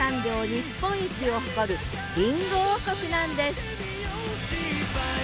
日本一を誇るりんご王国なんです